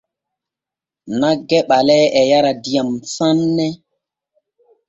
Nagge ɓalee e yara diyam sanne.